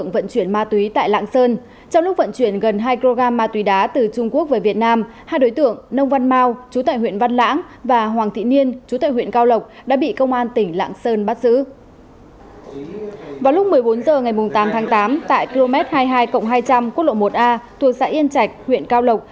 vào lúc một mươi bốn h ngày tám tháng tám tại km hai mươi hai hai trăm linh quốc lộ một a thuộc xã yên chạch huyện cao lộc